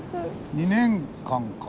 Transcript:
２年間か。